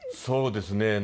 そうですね。